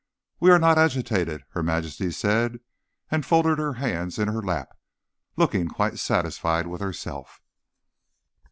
"We are not agitated," Her Majesty said, and folded her hands in her lap, looking quite satisfied with herself.